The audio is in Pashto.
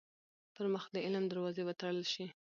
پـر مـخ د عـلم دروازې وتـړل شي.